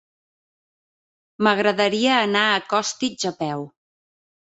M'agradaria anar a Costitx a peu.